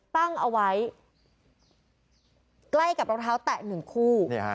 ตั้งเอาไว้ใกล้กับรองเท้าแตะ๑คู่